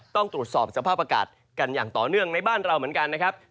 ต้องตรวจสอบสภาพอากาศกันอย่างต่อเนื่องในบ้านเราเหมือนกันนะครับ